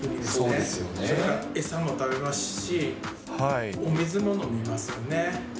それから餌も食べますし、お水も飲みますよね。